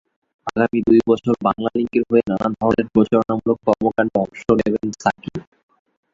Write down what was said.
আগামী দুই বছর বাংলালিংকের হয়ে নানা ধরনের প্রচারণামূলক কর্মকাণ্ডে অংশ নেবেন সাকিব।